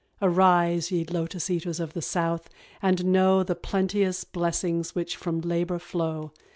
Arise, ye Lotus eaters of the South, and know The plenteous blessings which from labour flow.